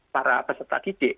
para peserta didik